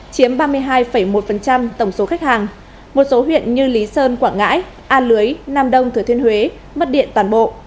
chiếm ba mươi hai một tổng số khách hàng một số huyện như lý sơn quảng ngãi a lưới nam đông thừa thiên huế mất điện toàn bộ